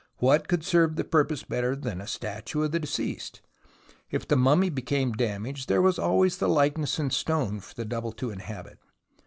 What could serve the purpose better than a statue of the deceased ? If the mummy became damaged, there was always the likeness in stone for the double to inhabit.